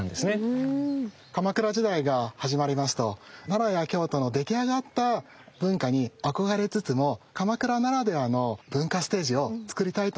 鎌倉時代が始まりますと奈良や京都の出来上がった文化に憧れつつも鎌倉ならではの文化ステージをつくりたいと思うようになります。